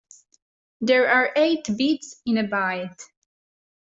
There are eight bits in a byte.